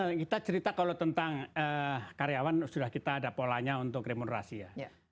jadi kita cerita kalau tentang karyawan sudah kita ada polanya untuk remunerasi ya